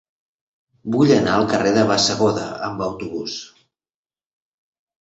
Vull anar al carrer de Bassegoda amb autobús.